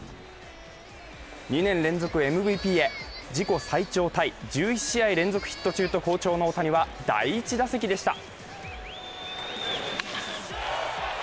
２年連続ＭＶＰへ自己最長タイ１１試合連続ヒット中と好調の大谷は第１打席でした。